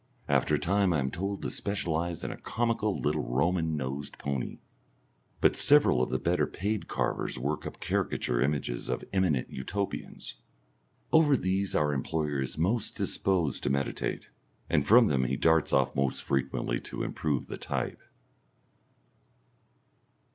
After a time I am told to specialise in a comical little Roman nosed pony; but several of the better paid carvers work up caricature images of eminent Utopians. Over these our employer is most disposed to meditate, and from them he darts off most frequently to improve the type.